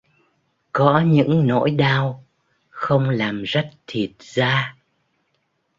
Có những nỗi đau không làm rách thịt da